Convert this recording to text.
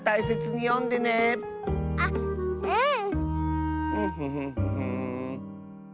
あっうん！